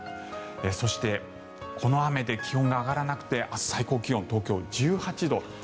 そしてこの雨で気温が上がらなくて明日、最高気温東京１８度。